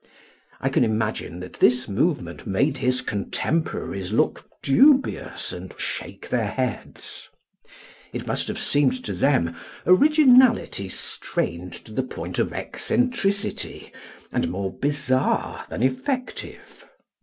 I can imagine that this movement made his contemporaries look dubious and shake their heads. It must have seemed to them originality strained to the point of eccentricity and more bizarre than effective.